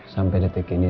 sampai detik ini